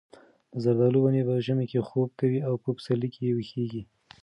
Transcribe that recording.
د زردالو ونې په ژمي کې خوب کوي او په پسرلي کې ویښېږي.